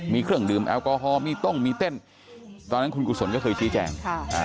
มีเครื่องดื่มแอลกอฮอลมีต้งมีเต้นตอนนั้นคุณกุศลก็เคยชี้แจง